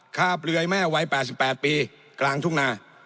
ฆ่าเปลือยแม่วัย๘๘ปีกลางทุ่งนา